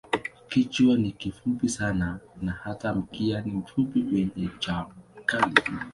Kichwa ni kifupi sana na hata mkia ni mfupi wenye ncha kali.